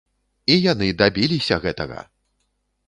І яны дабіліся гэтага!